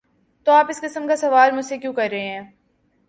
‘‘''تو آپ اس قسم کا سوال مجھ سے کیوں کر رہے ہیں؟